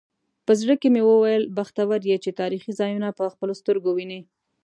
په زړه کې مې وویل بختور یې چې تاریخي ځایونه په خپلو سترګو وینې.